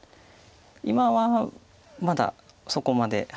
今はまだそこまで。